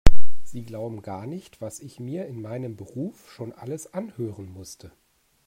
Sie glauben gar nicht, was ich mir in meinem Beruf schon alles anhören musste.